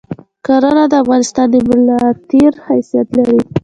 کرهنه د افغانستان د ملاتیر حیثیت لری